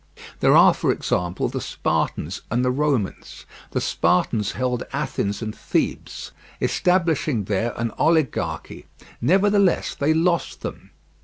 There are, for example, the Spartans and the Romans. The Spartans held Athens and Thebes, establishing there an oligarchy: nevertheless they lost them.